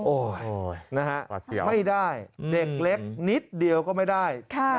โอ้ยไม่ได้นิดเดียวก็ไม่ได้